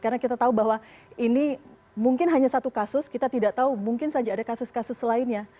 karena kita tahu bahwa ini mungkin hanya satu kasus kita tidak tahu mungkin saja ada kasus kasus selainnya